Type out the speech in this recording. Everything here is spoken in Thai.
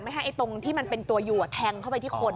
ให้ตรงที่มันเป็นตัวอยู่แทงเข้าไปที่คน